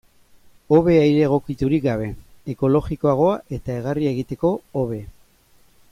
Hobe aire egokiturik gabe, ekologikoago eta egarria egiteko hobe.